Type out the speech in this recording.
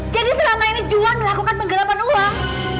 jadi selama ini juan melakukan penggerapan uang